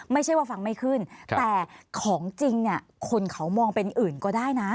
ไม่ใช่ว่าฟังไม่ขึ้นแต่ของจริงเนี่ยคนเขามองเป็นอื่นก็ได้นะ